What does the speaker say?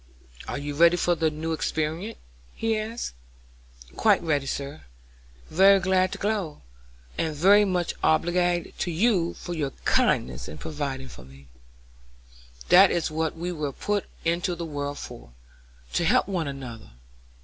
"Are you ready for the new experiment?" he asked. "Quite ready, sir; very glad to go, and very much obliged to you for your kindness in providing for me." "That is what we were put into the world for, to help one another.